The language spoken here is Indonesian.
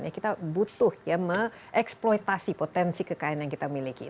sehingga bisa menggerakkan pembangunan dan juga mengentaskan kemiskinan